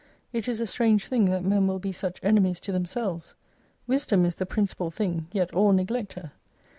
It is a strange thing that men will be such enemies to themselves. Wisdom is the principal thing, yet all neglect her.